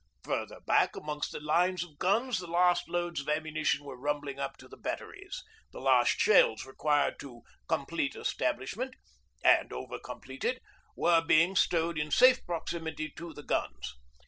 Further back amongst the lines of guns the last loads of ammunition were rumbling up to the batteries, the last shells required to 'complete establishment' and over complete it were being stowed in safe proximity to the guns.